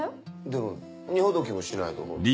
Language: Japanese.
でも荷ほどきもしないとほら。